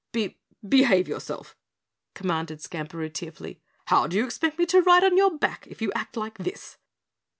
"Be behave yourself," commanded Skamperoo tearfully. "How do you expect me to ride on your back if you act like this?"